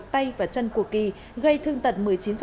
tay và chân của kỳ gây thương tật một mươi chín